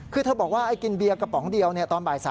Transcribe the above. คือเธอบอกว่ากินเบียร์กระป๋องเดียวตอนบ่าย๓